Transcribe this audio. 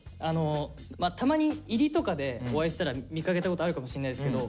たまに入りとかでお会いしたら見かけたことあるかもしんないですけど